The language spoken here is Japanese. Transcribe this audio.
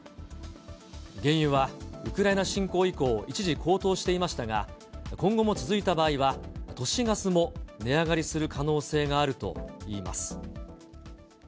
原油はウクライナ侵攻以降、一時高騰していましたが、今後も続いた場合は、都市ガスも値上がりする可能性があるといいます。